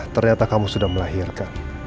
ternyata kamu sudah melahirkan